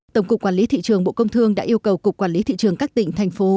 tổng cục quản lý thị trường bộ công thương đã yêu cầu cục quản lý thị trường các tỉnh thành phố